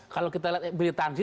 kalau kita lihat militansi